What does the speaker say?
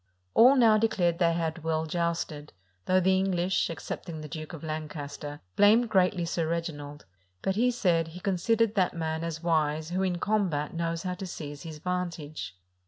All now declared they had well jousted; though the English, excepting'the Duke of Lancaster, blamed greatly Sir Reginald : but he said, he S8i PORTUGAL considered that man as wise who in combat knows how to seize his vantage.